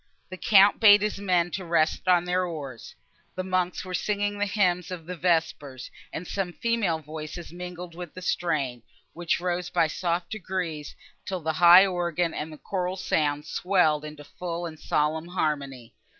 The Count bade his men rest on their oars. The monks were singing the hymn of vespers, and some female voices mingled with the strain, which rose by soft degrees, till the high organ and the choral sounds swelled into full and solemn harmony.